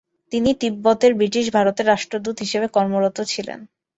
তিনি "তিব্বতের ব্রিটিশ ভারতের রাষ্ট্রদূত" হিসেবে কর্মরত ছিলেন।